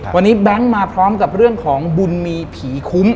วันนี้แบงค์มาพร้อมกับเรื่องของบุญมีผีคุ้ม